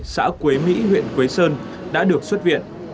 xã quế mỹ huyện quế sơn đã được xuất viện